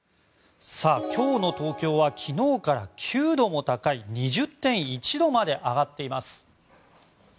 今日の東京は昨日から９度も高い２０．１度まで上がっています。